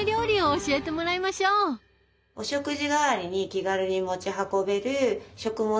お食事がわりに気軽に持ち運べる食物